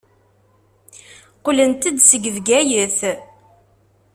Qqlent-d seg Bgayet.